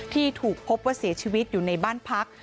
ที่ถูกพบว่าเสียชีวิตอยู่ในบ้านพัก